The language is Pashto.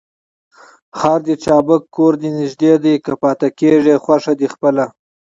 خر دي چابک کور دي نژدې دى ، که پاته کېږې خوښه دي خپله.